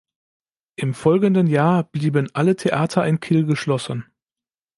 Im folgenden Jahr blieben alle Theater in Kiel geschlossen.